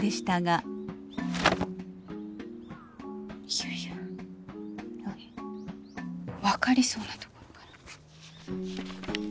いやいや分かりそうなところがら。